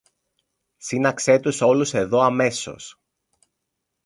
Σύναξε τους όλους εδώ, αμέσως!